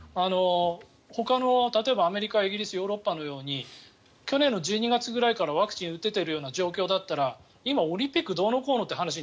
ほかの例えば、アメリカイギリス、ヨーロッパのように去年１２月くらいからワクチンを打てているような状況だったら今、オリンピックどうのこうのという話に